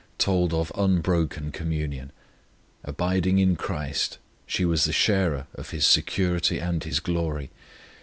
told of unbroken communion. Abiding in Christ, she was the sharer of His security and His glory.